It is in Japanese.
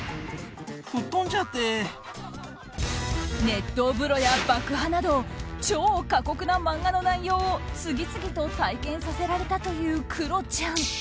熱湯風呂や爆破など超過酷な漫画の内容を次々と体験させられたというクロちゃん。